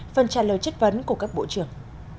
phần trả lời chất vấn của các bộ trưởng